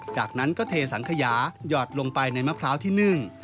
จากนั้นก็เทสังขยาหยอดลงไปในมะพร้าวที่นึ่ง